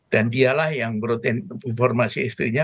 dan dialah yang berutin informasi istrinya